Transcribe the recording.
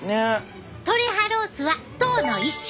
トレハロースは糖の一種。